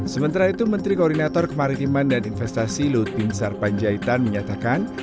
sementara itu menteri koordinator kemaritiman dan investasi lut bin sarpanjaitan menyatakan